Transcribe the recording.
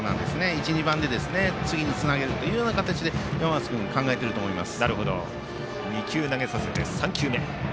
１、２番で次につなげる形で山増君は考えていると思います。